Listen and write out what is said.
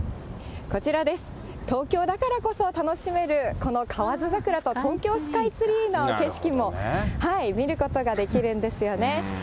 こちらです、東京だからこそ楽しめる、この河津桜と東京スカイツリーの景色も見ることができるんですよね。